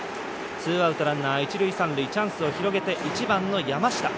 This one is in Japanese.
ツーアウト、ランナー、一塁三塁チャンスを広げて１番の山下。